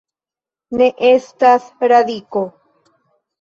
Ne estas radiko.